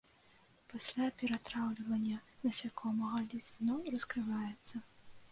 Пасля ператраўлівання насякомага ліст зноў раскрываецца.